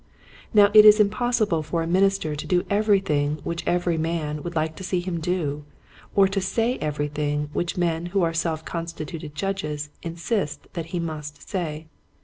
Now it is impossible for a minister to do everything which every man would like to see him do, or to say everything which men who are self consituted judges insist that he must say.